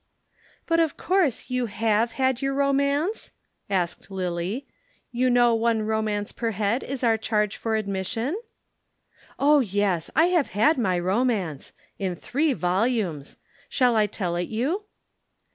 "But of course you have had your romance?" asked Lillie. "You know one romance per head is our charge for admission?" "Oh, yes! I have had my romance. In three vols. Shall I tell it you?"